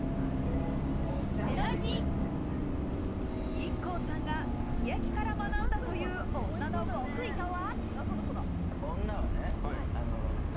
ＩＫＫＯさんが、すき焼きから学んだという、女の極意とは？